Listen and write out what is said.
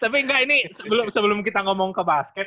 tapi enggak ini sebelum kita ngomong ke basket